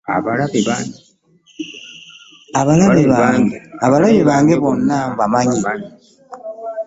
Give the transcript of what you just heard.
Abalabe bange bonna mbamanyi.